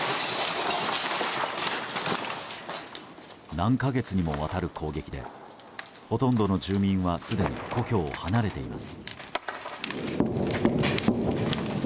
何か月にもわたる攻撃でほとんどの住民はすでに故郷を離れています。